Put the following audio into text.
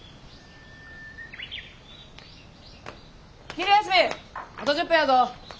昼休みあと１０分やぞ。